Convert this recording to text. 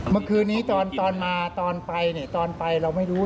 เมื่อคืนนี้ตอนมาตอนไปเนี่ยตอนไปเราไม่รู้